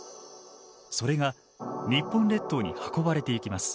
それが日本列島に運ばれていきます。